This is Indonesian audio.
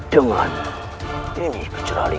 dengan ini ki alpha